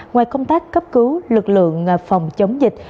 ngoài công tác cấp cứu lực lượng phòng chống dịch